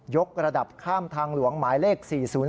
กระดับข้ามทางหลวงหมายเลข๔๐